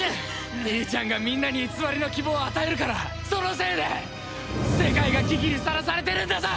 兄ちゃんがみんなに偽りの希望を与えるからそのせいで世界が危機にさらされてるんだぞ！